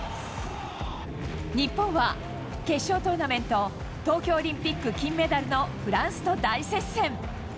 日本は決勝トーナメント、東京オリンピック金メダルのフランスと大接戦。